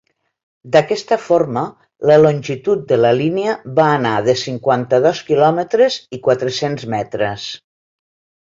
D'aquesta forma la longitud de la línia va anar de cinquanta-dos quilòmetres i quatre-cents metres.